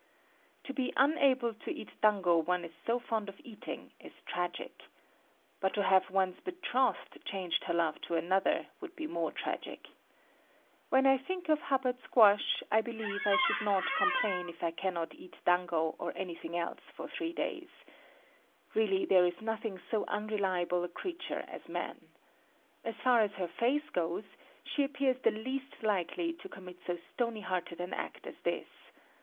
To be unable to eat dango one is so fond of eating, is tragic. But to have one's betrothed change her love to another, would be more tragic. When I think of Hubbard Squash, I believe that I should not complain if I cannot eat dango or anything else for three days. Really there is nothing so unreliable a creature as man. As far as her face goes, she appears the least likely to commit so stony hearted an act as this.